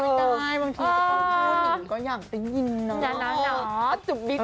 ไม่ได้บางทีพี่ก็ต้องพูดหนูก็อยากได้ยินนะ